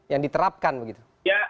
yang diterapkan begitu